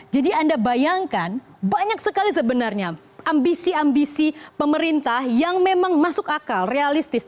jadi anda bayangkan banyak sekali sebenarnya ambisi ambisi pemerintah yang memang masuk akal realistis